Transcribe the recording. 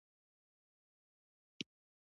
نن مې ډېر کارونه لرل.